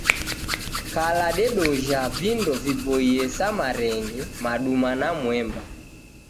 Kala dedojha vindo viboie sa marenge, maduma na mwemba.